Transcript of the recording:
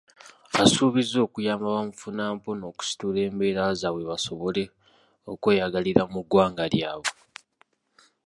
Asuubizza okuyamba bamufunampola okusitula embeera zaabwe basobole okweyagalirira mu ggwanga lyabwe.